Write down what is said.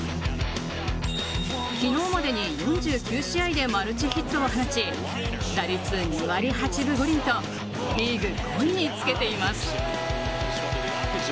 昨日までに４９試合でマルチヒットを放ち打率２割８分５厘とリーグ５位につけています。